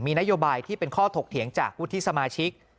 นโยบายที่เป็นข้อถกเถียงจากวุฒิสมาชิก